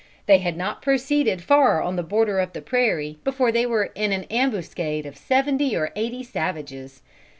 They had not proceeded far on the border of the prairie, before they were in an ambuscade of seventy or eighty savages.